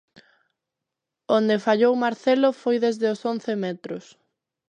Onde fallou Marcelo foi desde os once metros.